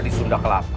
di sunda kelapa